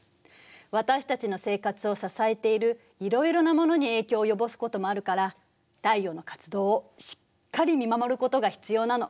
私たちの生活を支えているいろいろなものに影響を及ぼすこともあるから太陽の活動をしっかり見守ることが必要なの。